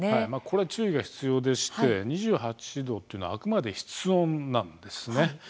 これは注意が必要でして２８度というのはあくまで室温なんです。